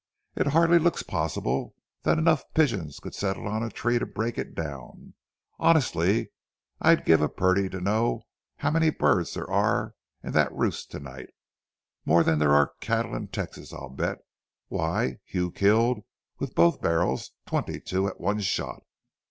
It hardly looks possible that enough pigeons could settle on a tree to break it down. Honestly, I'd give a purty to know how many birds are in that roost to night. More than there are cattle in Texas, I'll bet. Why, Hugh killed, with both barrels, twenty two at one shot."